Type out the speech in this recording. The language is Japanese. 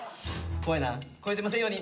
怖いな超えてませんように！